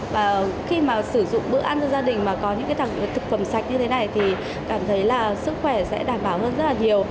và khi mà sử dụng bữa ăn cho gia đình mà có những cái thực phẩm sạch như thế này thì cảm thấy là sức khỏe sẽ đảm bảo hơn rất là nhiều